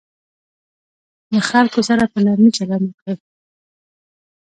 له خلکو سره په نرمي چلند وکړئ.